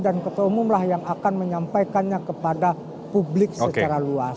dan ketua umum lah yang akan menyampaikannya kepada publik secara luas